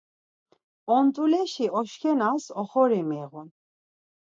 Ont̆uleşi oşkenas oxori miğun.